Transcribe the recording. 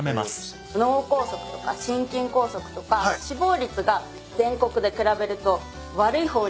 脳梗塞とか心筋梗塞とか死亡率が全国で比べると悪い方に。